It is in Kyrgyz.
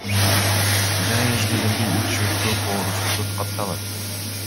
Жай мезгилинде ич өткөк оорусу көп катталат.